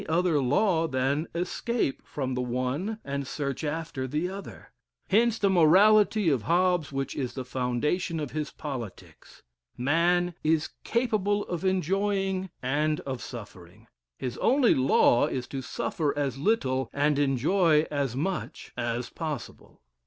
other law than escape from the one and search after the other; hence the morality of Hobbes, which is the foundation of his politics. Man is capable of enjoying and of suffering; his only law is to suffer as little, and enjoy as much, as possible.